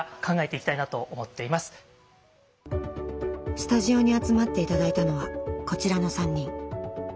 スタジオに集まって頂いたのはこちらの３人。